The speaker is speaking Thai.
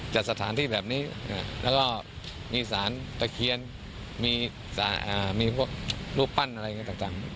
จัดสถานที่แบบนี้แล้วก็มีสารตะเคียนมีพวกรูปปั้นอะไรอย่างนี้ต่าง